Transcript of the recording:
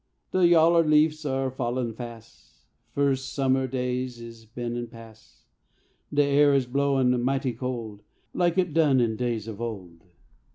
De yaller leafs are fallin' fas', Fur summer days is been an' pas'; The air is blowin' mighty cold, Like it done in days of old.